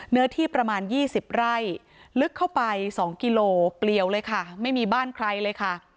เนื้อที่ประมาณ๒๐ไร่ลึกเข้าไป๒กิโลเปลี่ยวเลยค่ะไม่มีบ้านใครเลยค่ะ